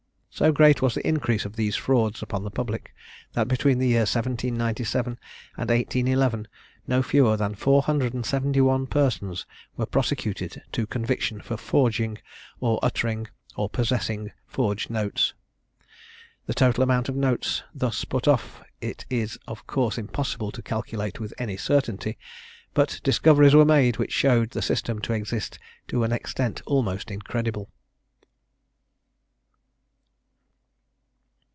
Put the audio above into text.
So great was the increase of these frauds upon the public, that between the year 1797 and 1811, no fewer than 471 persons were prosecuted to conviction for forging, or uttering, or possessing forged notes. The total amount of notes thus put off it is of course impossible to calculate with any certainty, but discoveries were made which showed the system to exist to an extent almost incredible.